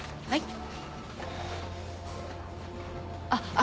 はい。